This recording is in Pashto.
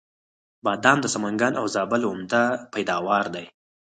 بادام د سمنګان او زابل عمده پیداوار دی.